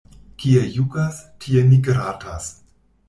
Kie jukas, tie ni gratas.